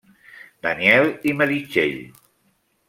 Daniel i Meritxell.